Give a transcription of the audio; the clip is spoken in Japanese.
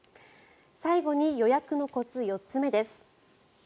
最後に予約のコツ、４つ目です。